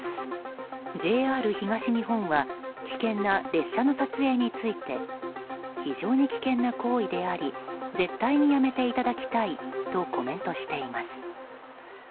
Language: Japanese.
ＪＲ東日本は危険な列車の撮影について非常に危険な行為であり絶対にやめていただきたいとコメントしています。